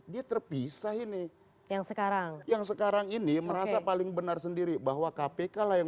dia terpisah ini yang sekarang yang sekarang ini merasa paling benar sendiri bahwa kpk lah yang